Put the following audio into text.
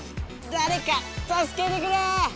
だれかたすけてくれ！